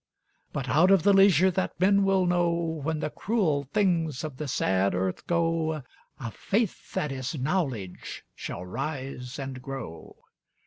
But out of the leisure that men will know, When the cruel things of the sad earth go, A Faith that is Knowledge shall rise and grow.